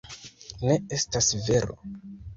Ne, estas vero.